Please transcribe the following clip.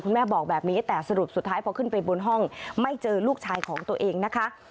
แม่บอกแบบนี้แต่สรุปสุดท้ายพอขึ้นไปบนห้องไม่เจอลูกชายของตัวเองนะคะ